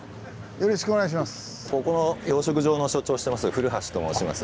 よろしくお願いします。